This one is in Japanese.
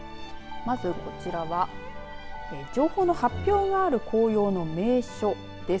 まず、こちらは情報の発表がある紅葉の名所です。